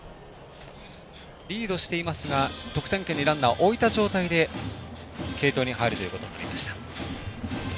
リードしていますが得点圏にランナーを置いた状態で継投に入ることになりました。